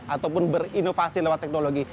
ataupun berinovasi lewat teknologi